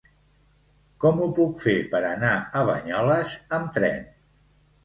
Com ho puc fer per anar a Banyoles amb tren?